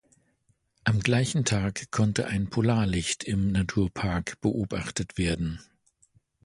Am gleichen Tag konnte ein Polarlicht im Naturpark beobachtet werden.